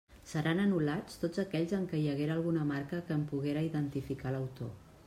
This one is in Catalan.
Seran anul·lats tots aquells en què hi haguera alguna marca que en poguera identificar l'autor.